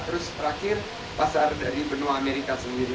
terus terakhir pasar dari benua amerika sendiri